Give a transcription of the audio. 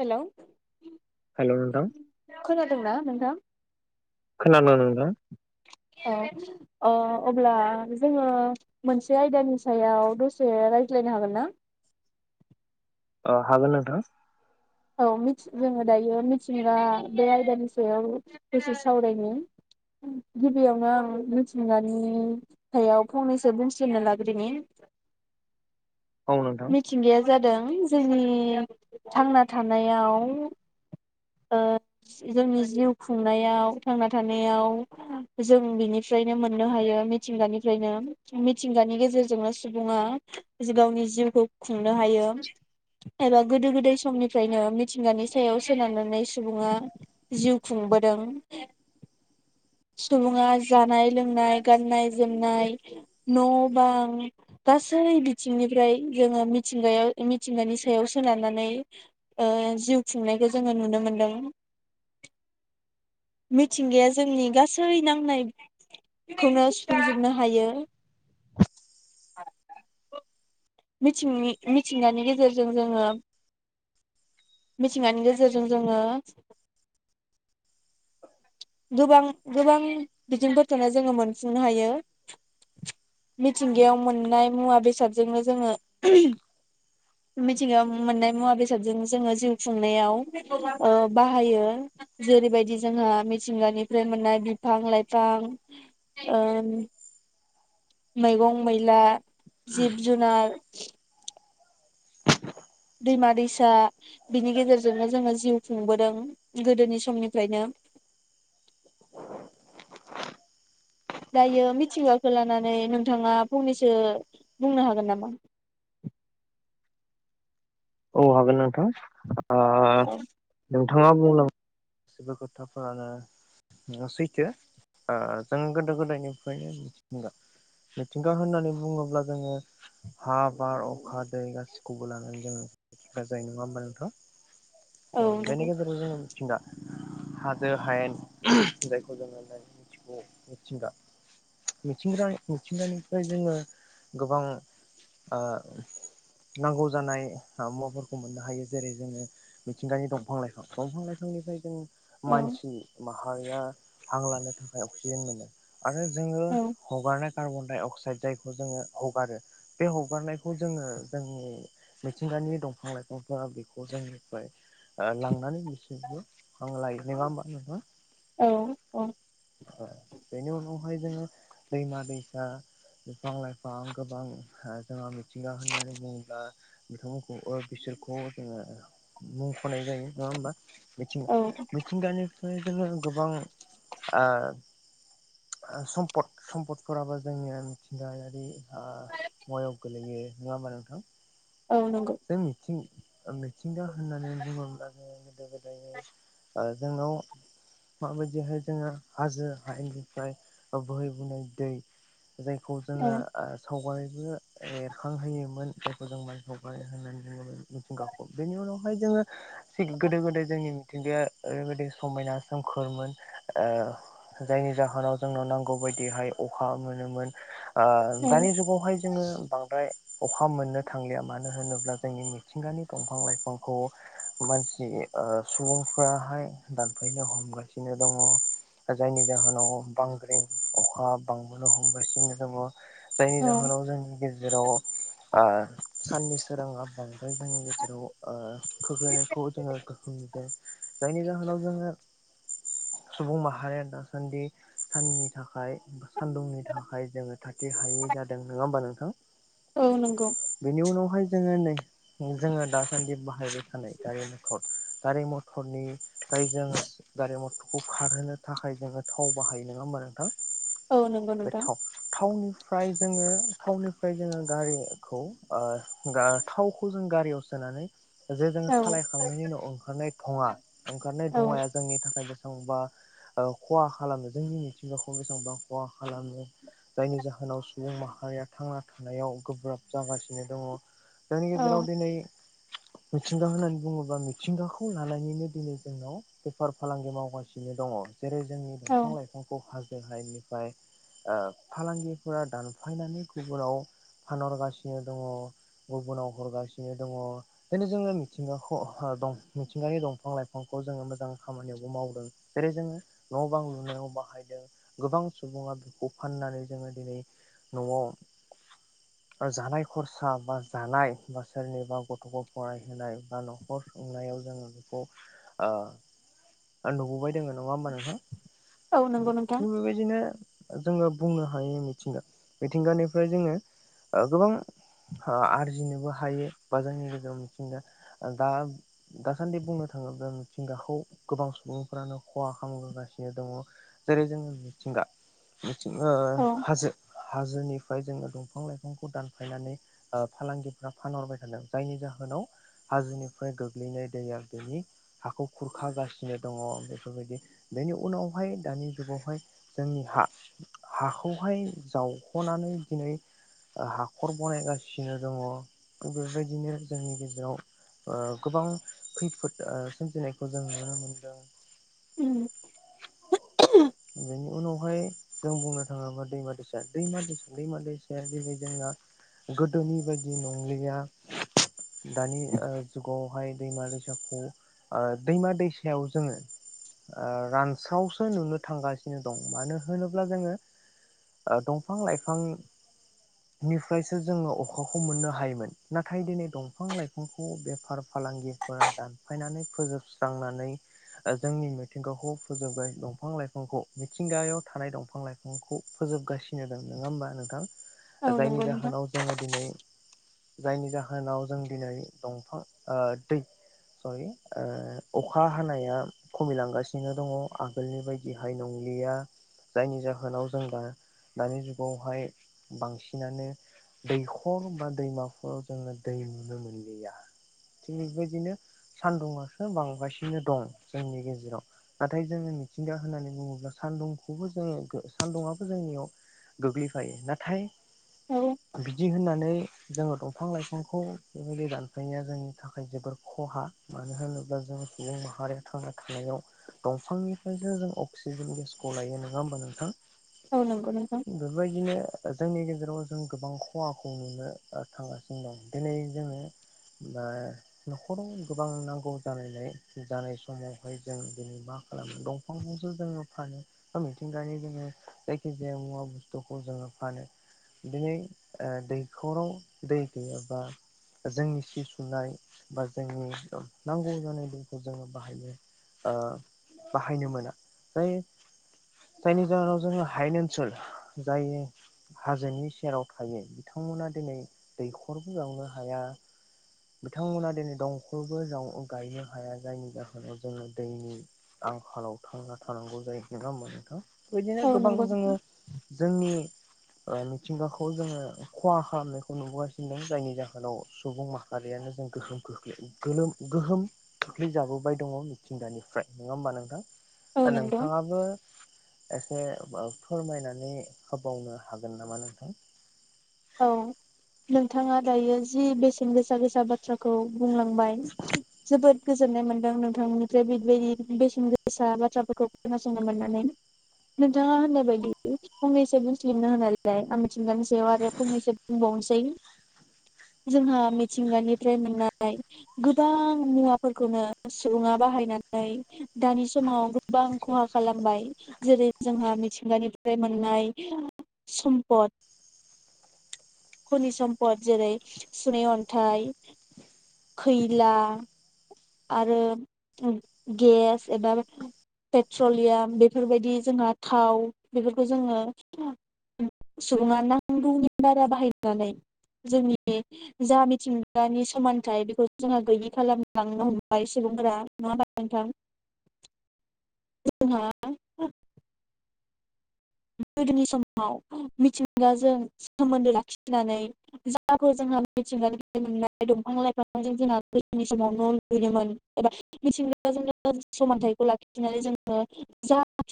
हेल' hello नोंथां खोनादोंना नोंथां खोनादों नोंथां [unintelligible] अ अ अब्ला जोङो मोनसे आयदानि सायाव दसे रायज्लायनो हागोन ना? अ हागोन नोंथां औ मिथि जोङो दायो मिथिंगा बे आयदानि सायाव दसे सावरायगोन गिबियावनो आं मिथिंगानि सायाव फंनैसो बुंथिनो लाग्रोनि औ नोंथां मिथिंगाया जादों जोंनि थांना थानायाव ओ जोंनि जिउ खुंनायाव थांना थानायाव जों बिनिफ्रायनो मोननो हायो मिथिंगानिफ्रायनो मिथिंगानि गेजेरजोंनो सुबुङा गावनि जिउखौ खुंनो हायो एबा गोदो गोदाय समनि फ्रायनो मिथिंगानि सायाव सोनारनानै सुबुंङा जिउ खुंबोदों सुबुंङा जानाय लोंनाय गाननाय जोमनाय न बां गासै बिथिंनिफ्राय जोंङो मिथिंगायाव मिथिंगानि सायाव सोनारनानै ओ जिउ खुंनायखौ जोङो नुनो मोनदों मिथिंगाया जोंनि गासै नांनाय खौनो सुफुंजोबनो हायो। मिथिंनि मिथिंगानि गेजेरजों जोनङो मिथिंगानि गेजेरजों जोंङो गोबां गोबां बिथिंफोरखौनो जोङो मोनफुंनो हायो मिथिंगायाव मोननाय मुवा बेसादजोंनो जोङो [unintelligible] मिथिंगायाव मोननाय मुवा बेसादजोंनो जोङो जिउ खुंनायाव ओ बाहायो जेरैबायदि जोंहा थिंगानिफ्राय मोननाय बिफां लाइफां ओ मैगं मैला जिब जुनार दैमा दैसा बिनि गेजेरजोंनो जोङो जिउ खुंबोदों गोदोनि समनिफ्रायनो औ हागोन नोंथां ओ औ नोंथाङा बुंलांग सैबो खोथाफोरानो सैथो जोंङो गोदो गोदायनिफ्रायनो मिथिंगा मिथिंगा होननानै बुङोब्ला जोंङो हा बार अखा दै गासिखौबो लानानै जोंङो साजायो नङा होमबा नोंथां औ अ बेनि नंगौ गेजेरजों जोंङो। मिथिंगा हाजो हायेन जायखौ जोङो मिथिगौ मिथिंगा मिथिंगा मिथिंगानिफ्राय जोङो गोबां ओ नांगौ जानाय आ मुवाफोरखौ मोननो हायो जेरै जोङो मिथिंगानि दंफां लाइफां दंफां लाइफांनिफ्राय जों औ मानसि मा हारिया हां लानो थाखाय अक्सिजेन मोनो। आरो जोङो औ हगारनाय कार्बन डाइ अक्साइद जायखौ जोङो हगारो बे हगारनायखौ जोङो जोंनि मिथिंगानि दंफां लाइफांफोरा बेखौ जोंनिफ्राय ओ लांनानै बिसोरबो हां लायो नङा होमबा नोंथां? औ औ। ओ बेनि उनावहाय जोङो दैमा दैसा, बिफां लाइफां गोबां जोंहा [unintelligible] बिथांमोनखौ ओ बिसोरखौ जोङो मुं होनाय जायो नङा होमबा मिथिं औ मिथिंगानि। बेबादिनो गोबां ओ सम्फद सम्पदफोराबो जोंनि मिथिंगायारि ओ मुवायाव गोलैयो नङा होमबा नोंथां? औ नंगौ बे मिथिं। ओ मिथिंगा होननानै बुङोब्ला जोङो गोदो गोदाय ओ जोंनाव माबायदिहाय जोङो हाजो हायेननिफ्राय ओ बोहैबोनाय दै जायखौ औ जोङो ओ सावगारि [unintelligible] एरखां होयोमोन जायखौ जों [unintelligible] [unintelligible] होननानै बुङोमोन मिथिंगाखौ बेनि उनावहाय जोङो गोदो गोदाय जोंनि मिथिंगाया ओरैबायदि समायना सोमखोरमोन ओ जायनि जाहोनाव जोंनो नांगौ बायदिहाय अखा मोनोमोन। आं औ दानि जुगावहाय जोङो बांद्राय अखा मोननो थांलिया मानो मानो होनोब्ला जोंनि मिथिंगानि दंफां लाइफांखौ मानसि ओ सुबुंफ्राहाय दानफैनो हमगासिनो दङ जायनि जाहोनाव बांग्रिं अखा बांबोनो हमगासिनो दङ। जायनि औ जाहोनाव जोंनि गेज जेराव। ओ। साननि सोराङा बांद्राय जोंनि गेजेराव ओ खोख्लैनायखौ जोङो गोख्रों नुदों जायनि जाहोनाव जोङो सुबुं माहारिया दासान्दि साननि थाखाय सानदुंनि थाखाय जोङो थाथि हायि जादों नङा होमबा नोंथां। औ नंगौ। बेनि उनावहाय जोङो नै जोङो दासान्दि बाहायो। [unintelligible] गारि मथरनिफ्राय जों गारि मथरखौ खारहोनो थाखाय जोङो थाव बाहायो नङा होनबा नों हो औ नंगौ बे नोंथां थाव थावनि फ्राय जोङो थाावनिफ्राय जोङो गारिखौ। ओ गार थावखौ जों गारियाव सोनानै। जे जों औ सालायखांनायनि उनाव ओंखारनाय धङा ओंखारनाय औ धङाया जोंनि थाखाय बेस [unintelligible] खहा खालामो जोंनि मिथिंगाखौ बेसेबांबा खहा खालामो जायनि जाहोनाव सुबुं माहारिया थांना थानायाव गोब्राब जागासिन सिनो दङ। जोंनि औ गेजेराव दिनै मिथिंगा होननानै बुङोबा मिथिंगाखौ लानानैनो दिनै जोंनाव बेफार फालांगि मावगासिनो दङ जेरै जोंनि औ दंफां लाइफांखौ हा [unintelligible] ओ फालांगिफोरा दानफायनानै गुबुनाव फानहरगासि नो दङ गुबुनाव हरगासिनो दङ दिनै जोङो मिथिंगाखौ [unintelligible] दं मिथिंगानि दंफां लाइफांखौ जोङो मोजां खामानियावबो मावदों जेरै जोङो न बां लुनायाव बाहायदों गोबां सुबुङा बेखौ फाननानै जोङो दिनै नआव जानाय खरसा बा जानाय बा सोरनिबा गथखौ फरायहोनाय बा नखर सुंनायाव जोंङो बेखौ ओ आरो नुुबावबाय दोङो नङा होमबा नोंथां औ नंगौ नोंथां [unintelligible] जोङो बुंनो हायो मिथिंगा मिथिंगानिफ्राय जोङो ओ गोबां हो आरजिनोबो हायो बा जोंनि गेजेराव मिथिंगा दा दासान्दि बुंनो थाङोब्ला मिथिंगाखौ गोबां सुबुंफ्रानो खहा खामबोगासिनो दङ जेरै जोङो मिथिंगा औ [unintelligible] हाजो हाजोनिफ्राय जोङो दंफां लाइ फंखौ दानफायनानै ओ फालांगिफ्रा फानहरबाय थादों जायनि जाहोनाव हाजोनिफ्राय गोग्लैनाय दैया बेनि हाखौ खुरखागासि [unintelligible] बेफोरबायदि बेनि उनावहाय दानि जुगावहाय जोंनि हा हाखौहाय जावखनानै दिनै ओ हाखर बनायगासिनो दङ बेबायदिनो जोंनि गेजेराव ओ गोबां खैफोद ओ सोमजिनायखौ जों नुनो मोनो उम बेनि उनावहाय जों बुंनो थाङोबा दैमा दैसा दैमा दैसा दैमा दैसाया जेरै जोंना गोदोनि बायदि नंलिया दानि ओ जुगावहाय दैमा दैसाखौ ओ दैमा दैसायाव जोङो ओ रान सावसो नुनो थांगासिनो दं मानो होनोब्ला जोङो ओ दंफां लाइफांनिफ्रायसो जोङो अखाखौ मोननो हायोमोन नाथाय दिनै दंफां लाइफांखौ बेफार फालांगिफोरा दानफायनानै फोजोबस्रांनानै ओ जोंनि मिथिंगाखौ फोजोबबाय दंफां लाइफां फांखौ मिथिंगायाव थानाय दंफां लाइफांखौ फोजोबगासि फिनोदों नोङा होमबा नोंथां औ जायनि नंगौ नोंथां जाहोनाव जोङो दिनै जायनि जाहोनाव जों दिनै दंफां ओ दै सरि ओ अखा हानाया खमिलांगासिनो दङ आगोलनि बायदि गेहाय नंलिया जायनि जाहोनाव जों दा दानि जुगावहाय बांसिनानो दैखर बा दैमाफोराव जोङो दै नुनो मोनलिया थिग बेबायदिनो सान्दुंङासो बांगासिनो दं जोंनि गेजेराव नाथाय जोङो मिथिंगा होननानै बुङोब्ला सान्दुंखौबो जोङो सान्दुंङआबो जोंनियाव गोग्लैफायो नाथाय औ बिदि होननानै जोङो दंफां लाइफांखौ बेबायदि दानफायनाया जोंनि थाखाय जोबोर खहा। मानो होनोब्ला जो सुबुं माहारिया थांना थानायाव दंफांनिफ्रायसो जों अक्सिजेन गेसखौ लायो नोङा होमबा नोंथां? औ नंगौ नोंथां बेबायदिनो जोंनि गेजे दङ जों गोबां खहाखौ नुनो थांगासिनो दं दिनै जोङो बा नखराव गोबां नांगौ जानायलाय जानाय समावहाय जों दिनै मा खालामो दंफांखौ जोङो फानो बा मिथिंगायानि जोङो जायखि जाया मुवा बुस्थुखौ जोङो फानो दिनै ओ दैखराव दै गैयाबा जोंनि सि सुनाय बा जोंनि नांगौ जानाय दैखौ जोङो बाहायनो ओ बाहायनो मोना। जाय जायनि जाहोनाव जोङो हायेन ओनसोल जाय हाजोनि सेराव थायो बिथांमोना दिनै दैखरबो जावनो हाया। बिथांमोना दिनै दंखलबो जाव अ गायनो हाया जायनि जाहोनाव जोङो दैनि आंखालाव थांना थानांगौ जायो नोङा होमबा नोंथां? बैदिनो औ गोबां नंगौ जोङो नोंथां जोंनि ओ मिथिंगाखौ जोङो खहा खालामनायखौ नुबोगासिनो दं जायनि जाहोनाव सुबुं माहा आरियानो जों गोहोम खोख्लै गोलोम गोहोम खोख्लैजाबोबाय दङ मिथिंगानिफ्राय नङा होमबा नोंथां? औ दा नंगौ नोंथाङाबो एसे बा फोरमायनानै होबावनो हागोन नामा नोंथां? औ नोंथाङा दायो जि बेसेन गोसा गोसा बाथ्राखौ बुंलांबाय जोबोद गोजोननाय मोनदों नोंथांमोननिफ्राय बेबायदि बेसेन गोसा बाथ्राफोरखौ खोनासंनो मोननानै नोंथाङा होननाय बायदि फंनैसो बुंसलिमना होननायलाय आं मिथिंगानि सायाव आरो गनोसै जोंहा मिथिंगानिफ्राय मोननाय गोबां मुवाफोरखौनो सुबुङा बाहायनानै दानि समाव गोबां खहा खालामबाय जेरै जोंहा मिथिंगानिफ्राय मोननाय सम्पद। खुनि सम्पद जेरै सुनै अन्थाइ खैला। आरो गेस एबा पेट्रलियाम बेफोरबायदि जोंहा थाव बेफोरखौ जोङो सुबुङा नांगौनि बारा बाहायनानै जोंनि जा मिथिंगानि समानथाइ बेखौ जोंहा गैयि खालाम लांनो हमबाय सुबुंफोरा नङा होमबा नोंथां। जोंहा गोदोनि समाव मिथिंगाजों सोमोन्दो लाखिनानै जाफोर जोंहा मिथिंगानि मोननाय दंफां लाइफांजों जोंहा गोदोनि समाव न' लुदोंमोन एबा मिथिंगाजोंनो समानथाइखौ लाखिनानै जोङो जा